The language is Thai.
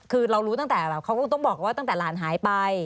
คือเรารู้ตั้งแต่แบบเขาก็ต้องบอกว่าตั้งแต่หลานหายไป